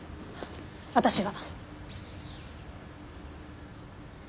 私が。